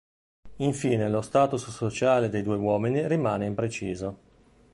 Infine lo status sociale dei due uomini rimane impreciso.